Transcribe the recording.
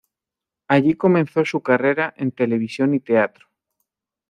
Allí comenzó su carrera en televisión y teatro.